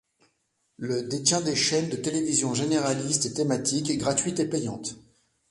Le détient des chaînes de télévision généralistes et thématiques, gratuites et payantes.